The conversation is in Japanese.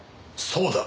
そうだ。